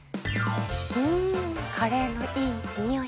んカレーのいいにおい。